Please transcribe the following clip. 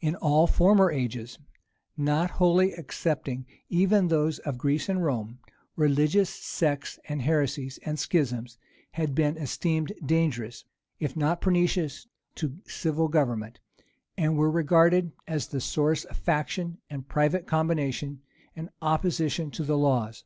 In all former ages, not wholly excepting even those of Greece and Rome, religious sects, and heresies, and schisms had been esteemed dangerous, if not pernicious, to civil government, and were regarded as the source of faction, and private combination, and opposition to the laws.